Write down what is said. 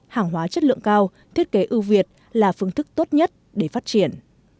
hàng hóa chất lượng cao thiết kế ưu việt là phương thức tốt nhất để phát triển